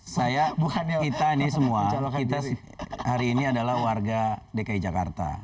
saya kita ini semua kita hari ini adalah warga dki jakarta